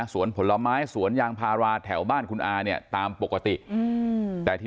ผลไม้สวนยางพาราแถวบ้านคุณอาเนี่ยตามปกติอืมแต่ที่